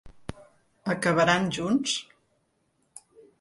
Acabaran junts?